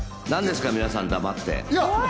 なんですか、皆さん黙って。